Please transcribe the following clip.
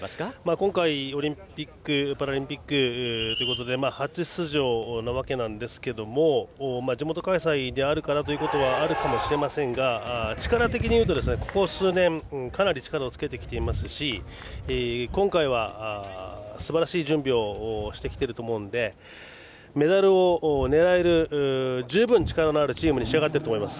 今回、オリンピック・パラリンピックということで初出場ですが地元開催であるからということはあるかもしれませんが力的にいうと、ここ数年かなり力をつけてきてますし今回は、すばらしい準備をしてきていると思うのでメダルを狙える十分力のあるチームに仕上がっていると思います。